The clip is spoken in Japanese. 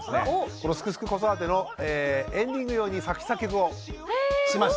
この「すくすく子育て」のエンディング用に作詞・作曲をしまして。